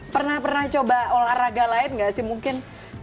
pernah pernah coba olahraga lain nggak sih mungkin